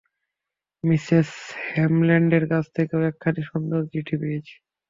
Mrs হ্যামল্ডের কাছ থেকেও একখানি সুন্দর চিঠি পেয়েছি।